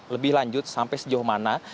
lebih lanjut sampai sejauh mana